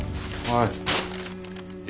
はい。